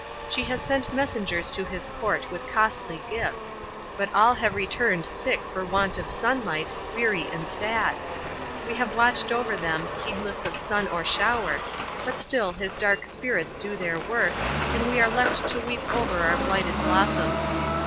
She has sent messengers to his court with costly gifts; but all have returned sick for want of sunlight, weary and sad; we have watched over them, heedless of sun or shower, but still his dark spirits do their work, and we are left to weep over our blighted blossoms.